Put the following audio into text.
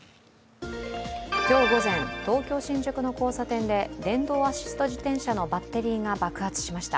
今日午前、東京・新宿の交差点で電動アシスト自転車のバッテリーが爆発しました。